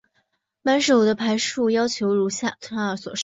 满手的牌数要求如下所示。